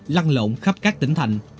lăn lộn khắp các tỉnh thành